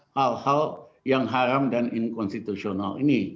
hal hal yang haram dan inkonstitusional ini